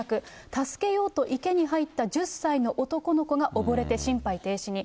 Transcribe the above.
助けようと池に入った１０歳の男の子が溺れて心肺停止に。